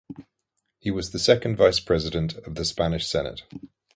He was the Second Vice-President of the Spanish Senate.